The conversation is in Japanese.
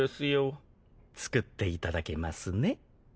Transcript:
作っていただけますね？